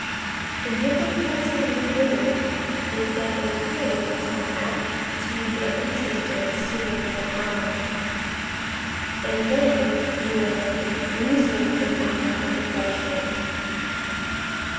The difficulty with women is that their feelings are apt to get interested sooner than ours, and then, you know, reasoning is out of the question.